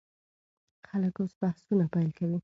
خلک اوس بحثونه پیل کوي.